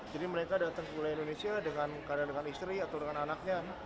jadi mereka datang ke wilayah indonesia dengan kadang dengan istri atau dengan anaknya